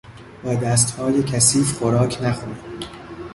با دستهای کثیف خوراک نخور!